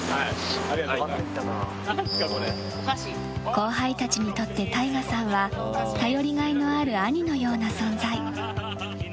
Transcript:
後輩たちにとってＴＡＩＧＡさんは頼りがいのある兄のような存在。